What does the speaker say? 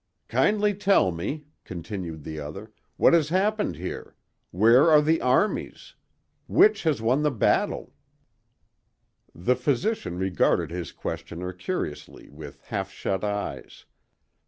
"Kindly tell me," continued the other, "what has happened here. Where are the armies? Which has won the battle?" The physician regarded his questioner curiously with half shut eyes.